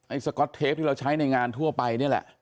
สก๊อตเทปที่เราใช้ในงานทั่วไปนี่แหละ